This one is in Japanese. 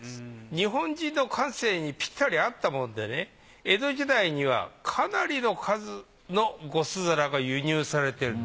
日本人の感性にピッタリ合ったものでね江戸時代にはかなりの数の呉須皿が輸入されている。